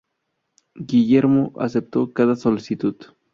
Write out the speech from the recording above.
Guillermo aceptó cada solicitud.